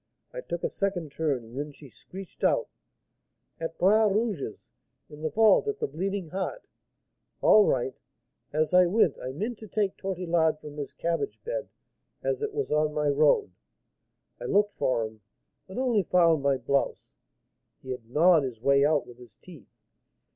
I took a second turn, and then she screeched out, 'At Bras Rouge's, in the vault at the Bleeding Heart!' All right! As I went, I meant to take Tortillard from his cabbage bed, as it was on my road. I looked for him, but only found my blouse, he had gnawed his way out with his teeth.